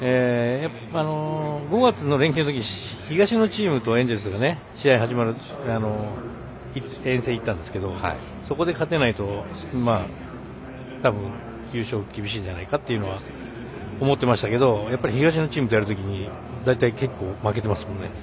５月の連休のとき、東のチームと始まるので、エンジェルスが遠征いったんですけどそこで勝てないと、たぶん優勝厳しいんじゃないかなと思ってましたけどやっぱり東のチームとやるとき大体、結構負けてますもんね。